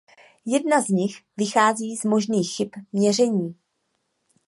Jedna z nich vychází z možných chyb měření.